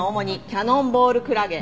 キャノンボールクラゲ？